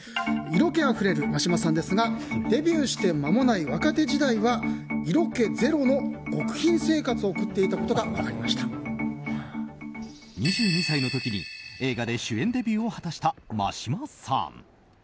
色気あふれる眞島さんですがデビューまもない若手時代は色気ゼロの極貧生活を２２歳の時に映画で主演デビューを果たした眞島さん。